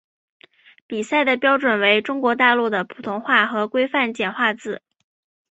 比赛的标准为中国大陆的普通话和规范简化字。